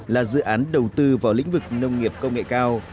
là dự án đầu tư vào lĩnh vực nông nghiệp công nghệ cao